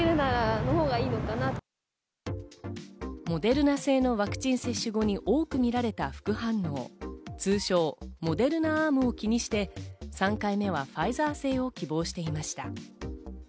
モデルナ製のワクチン接種後に多く見られた副反応、通称・モデルナアームを気にして、３回目はファイザー製を希望していました。